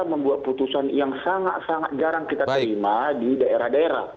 membuat putusan yang sangat sangat jarang kita terima di daerah daerah